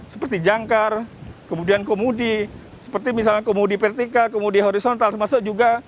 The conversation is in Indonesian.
seperti jangkar kemudian komudi seperti misalnya komudi vertika komudi horizontal semacam itu juga